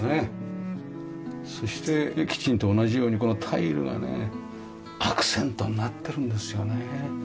そしてキッチンと同じようにこのタイルがねアクセントになってるんですよね。